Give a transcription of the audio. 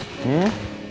bersama pak rendy